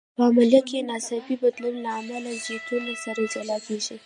په عملیه کې د ناڅاپي بدلون له امله جینونه سره جلا کېږي.